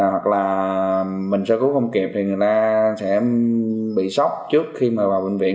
hoặc là mình sơ cứu không kịp thì người ta sẽ bị sốc trước khi mà vào bệnh viện